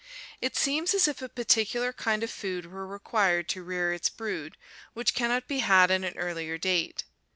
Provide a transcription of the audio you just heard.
It seems as if a particular kind of food were required to rear its brood, which cannot be had at an earlier date.